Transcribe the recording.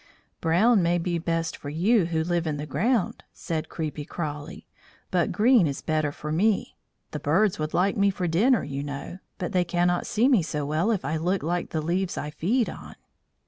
"Brown may be best for you who live in the ground," said Creepy Crawly, "but green is better for me. The birds would like me for dinner, you know, but they cannot see me so well if I look like the leaves I feed on."